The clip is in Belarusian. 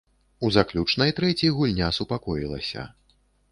У заключнай трэці гульня супакоілася.